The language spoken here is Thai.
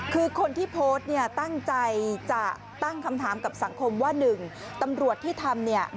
คือคนที่โพสต์เนี่ยตั้งใจจะตั้งคำถามกับสังคมว่า๑ตำรวจที่ทำเนี่ย